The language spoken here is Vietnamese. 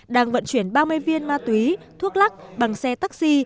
đang vận chuyển ba mươi viên ma túy thuốc lắc bằng xe taxi